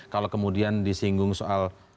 kalau kemudian disinggung soal